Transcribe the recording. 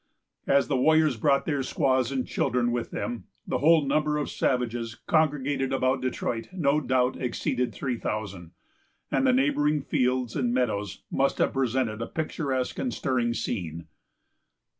As the warriors brought their squaws and children with them, the whole number of savages congregated about Detroit no doubt exceeded three thousand; and the neighboring fields and meadows must have presented a picturesque and stirring scene.